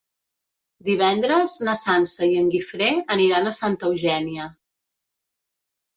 Divendres na Sança i en Guifré aniran a Santa Eugènia.